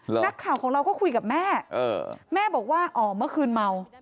นักข่าวของเราก็คุยกับแม่แม่บอกว่าอ๋อเมื่อคืนเมา